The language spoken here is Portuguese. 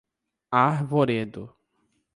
Arvoredo